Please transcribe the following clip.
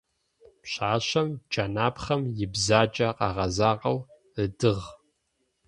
Пшъашъэм джэнапхъэм ибзаджэ къэгъэзагъэу ыдыгъ.